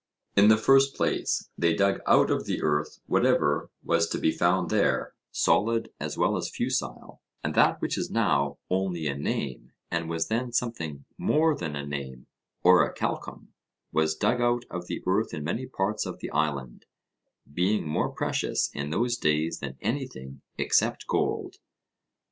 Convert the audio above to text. In the first place, they dug out of the earth whatever was to be found there, solid as well as fusile, and that which is now only a name and was then something more than a name, orichalcum, was dug out of the earth in many parts of the island, being more precious in those days than anything except gold.